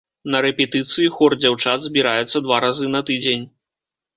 На рэпетыцыі хор дзяўчат збіраецца два разы на тыдзень.